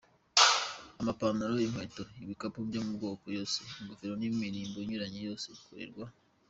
Amapantaro Inkweto, ibikapu byo mu moko yose. ingofero n’imirimbo Inyuranye byose bikorerwa.